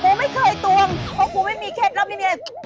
โอ้ไม่เคยตวงเพราะกูไม่เคล็ดลับไม่มีอะไร